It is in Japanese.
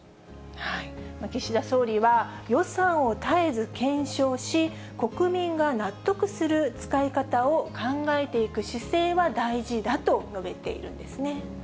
岸田総理は、予算を絶えず検証し、国民が納得する使い方を考えていく姿勢は大事だと述べているんですね。